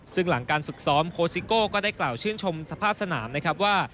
ซึ่งหลังการฝึกซ้อมโค้ซิโก้ก็ได้กล่าวชื่นชมสภาพสนามนะครับว่า